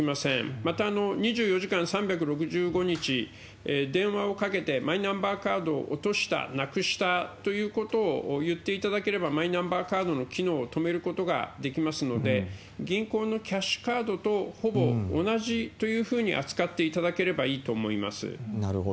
また、２４時間３６５日、電話をかけて、マイナンバーカードを落とした、なくしたということを言っていただければ、マイナンバーカードの機能を止めることができますので、銀行のキャッシュカードとほぼ同じというふうに扱っていただけれなるほど。